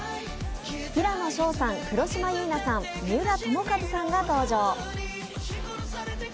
平野紫耀さん、黒島結菜さん、三浦友和さんが登場。